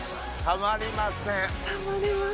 たまりません。